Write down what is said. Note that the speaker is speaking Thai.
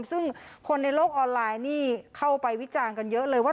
ซึ่งคนในโลกออนไลน์นี่เข้าไปวิจารณ์กันเยอะเลยว่า